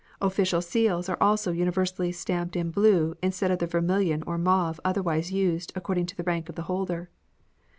Official seals are also universally stamped in blue instead of the vermilion or mauve otherwise used according to the rank of the holder.